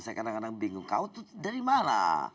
saya kadang kadang bingung kau itu dari mana